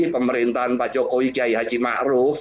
pemerintahan pak jokowi kiai haji ma'ruf